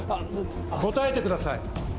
答えてください！